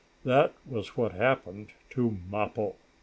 That was what had happened to Mappo.